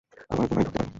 আমায় গোনায় ধরতে পার।